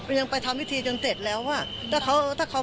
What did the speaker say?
พูดสิทธิ์ข่าวธรรมดาทีวีรายงานสดจากโรงพยาบาลพระนครศรีอยุธยาครับ